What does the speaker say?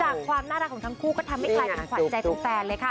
จากความน่ารักของทั้งคู่ก็ทำให้กลายเป็นขวัญใจของแฟนเลยค่ะ